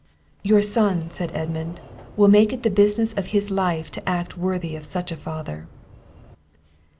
"Your son," said Edmund, "will make it the business of his life to act worthy of such a father."